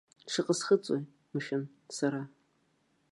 Шаҟа схыҵуеи, мшәан, сара?